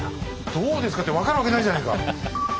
「どうですか？」って分かるわけないじゃないか！